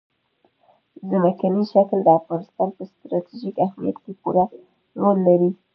ځمکنی شکل د افغانستان په ستراتیژیک اهمیت کې پوره رول لري.